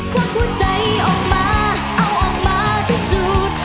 ความผู้ใจออกมาเอาออกมาที่สุด